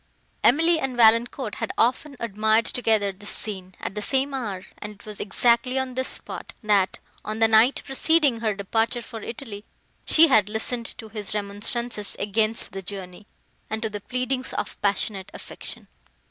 Emily and Valancourt had often admired together this scene, at the same hour; and it was exactly on this spot, that, on the night preceding her departure for Italy, she had listened to his remonstrances against the journey, and to the pleadings of passionate affection.